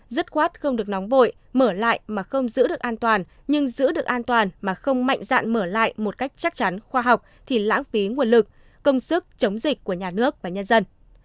dứt khoát không được nóng vội mở lại mà không giữ được an toàn nhưng giữ được an toàn mà không mạnh dạn mở lại một cách chắc chắn khoa học thì lãng phí nguồn lực công sức chống dịch của nhà nước và nhân dân